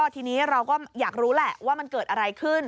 ทีนี้เราก็อยากรู้แหละว่ามันเกิดอะไรขึ้น